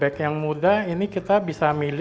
bek yang muda ini kita bisa milih